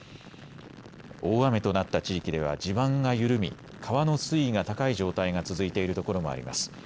大雨となった地域では地盤が緩み川の水位が高い状態が続いているところもあります。